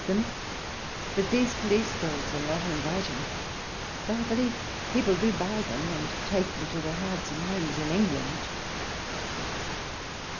x them, but these police dogs are not inviting, though I believe people do buy them and take them to their hearths and homes in England.